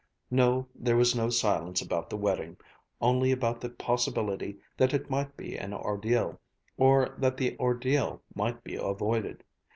No, there was no silence about the wedding, only about the possibility that it might be an ordeal, or that the ordeal might be avoided.